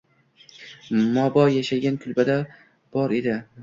Momo yashagan kulbada bor edi